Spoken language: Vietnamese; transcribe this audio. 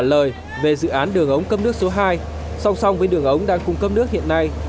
trả lời về dự án đường ống cấm nước số hai song song với đường ống đang cùng cấm nước hiện nay